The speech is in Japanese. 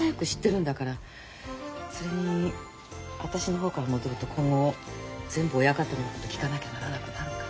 それに私の方から戻ると今後全部親方の言うこと聞かなきゃならなくなるから。